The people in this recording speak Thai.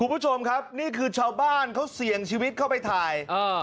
คุณผู้ชมครับนี่คือชาวบ้านเขาเสี่ยงชีวิตเข้าไปถ่ายอ่า